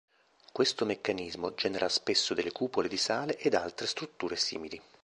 Questo meccanismo genera spesso delle cupole di sale ed altre strutture simili.